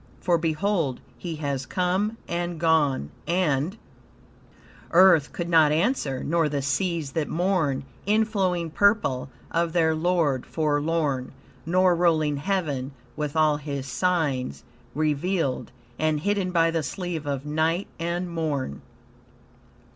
For behold, he has come, and gone, and "Earth could not answer; nor the seas that mourn In flowing purple, of their Lord forlorn; Nor rolling Heaven, with all his signs revealed And hidden by the sleeve of night and morn."